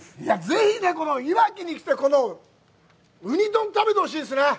ぜひいわきに来て、このウニ丼を食べてほしいですね。